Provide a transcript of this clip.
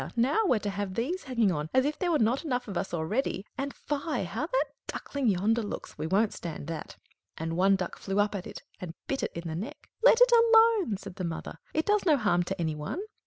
now we're to have these hanging on, as if there were not enough of us already! And fie! how that duckling yonder looks; we won't stand that!" And one duck flew up at it, and bit it in the neck. "Let it alone," said the mother; "it does no harm to any one."